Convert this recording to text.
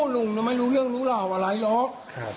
ลุงไม่รู้เรื่องรู้ราวอะไรหรอก